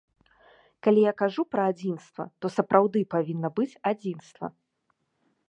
Калі я кажу пра адзінства, то сапраўды павінна быць адзінства.